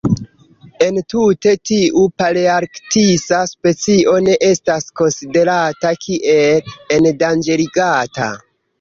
Entute, tiu palearktisa specio ne estas konsiderata kiel endanĝerigata.